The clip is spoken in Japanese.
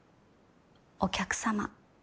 お客様。